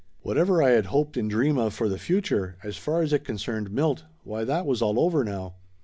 Whatever I had hoped and dreamed of for the future, as far as it con cerned Milt, why that was all over now.